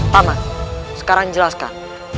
pak man sekarang jelaskan